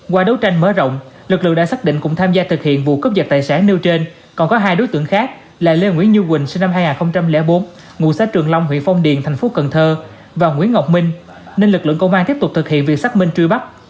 qua đấu tranh mở rộng lực lượng đã xác định cùng tham gia thực hiện vụ cướp dật tài sản nêu trên còn có hai đối tượng khác là lê nguyễn như quỳnh sinh năm hai nghìn bốn ngụ xã trường long huyện phong điền thành phố cần thơ và nguyễn ngọc minh nên lực lượng công an tiếp tục thực hiện việc xác minh truy bắt